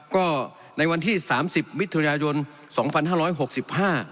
ก็ในวันที่๓๐มิถุยาญนตร์